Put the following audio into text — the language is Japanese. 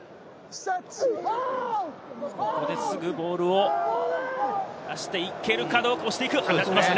ここですぐボールを出していけるかどうか、押していく。